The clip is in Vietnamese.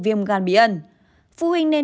viêm gan bí ẩn phụ huynh nên